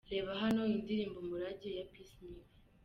Reba hano amashusho y'indirimbo Umurage ya P Smith.